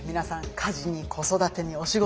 家事に子育てにお仕事